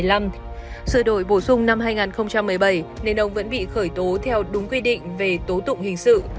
sửa đổi bổ sung năm hai nghìn một mươi bảy nên ông vẫn bị khởi tố theo đúng quy định về tố tụng hình sự